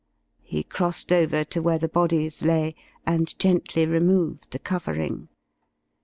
He crossed over to where the bodies lay, and gently removed the covering.